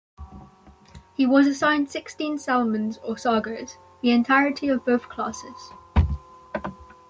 He was assigned sixteen "Salmon"s or "Sargo"s; the entirety of both classes.